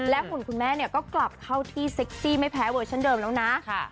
หุ่นคุณแม่เนี่ยก็กลับเข้าที่เซ็กซี่ไม่แพ้เวอร์ชันเดิมแล้วนะ